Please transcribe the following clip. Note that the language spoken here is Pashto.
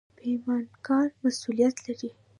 پیمانکار مسوولیت لري